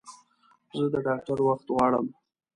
زه د ډاکټر وخت غواړم